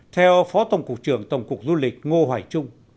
theo phó tổng cục trưởng tổng cục du lịch ngô hoài trung